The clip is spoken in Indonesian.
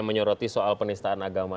menyoroti soal penistaan agama